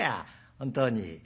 本当に。